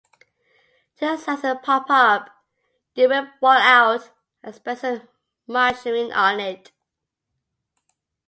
Two slices pop up, you whip one out, and spread some margarine on it.